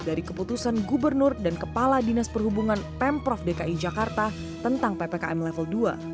dari keputusan gubernur dan kepala dinas perhubungan pemprov dki jakarta tentang ppkm level dua